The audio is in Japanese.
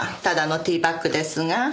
ただのティーバッグですが。